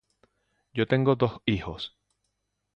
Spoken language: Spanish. Yo tengo dos hijos.